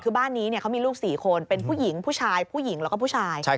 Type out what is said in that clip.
คือบ้านนี้เขามีลูก๔คนเป็นผู้หญิงผู้ชายผู้หญิงแล้วก็ผู้ชาย